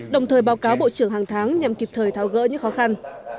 đồng thời báo cáo bộ trưởng hàng tháng nhằm kịp thời tháo gỡ những khó khăn